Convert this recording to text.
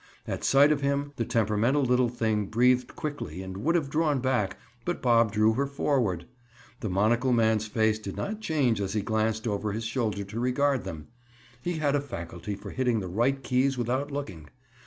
At sight of him, the temperamental little thing breathed quickly and would have drawn back, but Bob drew her forward. The monocle man's face did not change as he glanced over his shoulder to regard them; he had a faculty for hitting the right keys without looking.